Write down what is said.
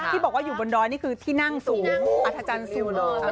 ที่บอกว่าอยู่บนดอยนี่คือที่นั่งสูงอัธจันทร์ซิล